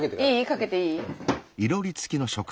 かけていい？